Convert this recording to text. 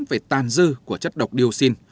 về tan dư của chất độc dioxin